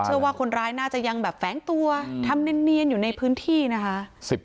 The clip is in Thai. เชื่อว่าคนร้ายน่าจะยังแบบแฝงตัวทำเนียนอยู่ในพื้นที่นะคะ